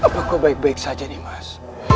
apakah baik baik saja nimas